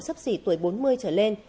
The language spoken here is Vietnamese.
sắp xỉ tuổi bốn mươi trở lên